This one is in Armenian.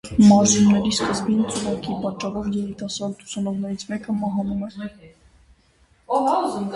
Մարզումների սկզբին ծուղակի պատճառով երիտասարդ ուսանողներից մեկը մահանում է։